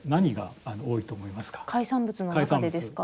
海産物の中でですか？